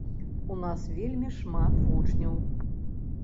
У нас вельмі шмат вучняў.